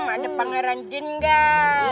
ada pangeran jin gak